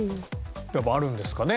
やっぱあるんですかね？